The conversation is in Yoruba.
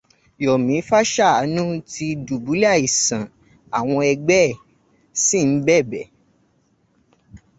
Yọ̀mí Fáṣàánú ti dùbúlẹ̀ àìsàn, àwọn ẹgbẹ́ è sì ń bẹ̀bẹ̀.